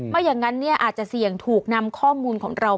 ไม่อย่างนั้นอาจจะเสี่ยงถูกนำข้อมูลของเรา